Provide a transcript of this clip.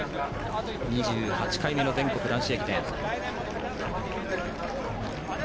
２８回目の全国男子駅伝。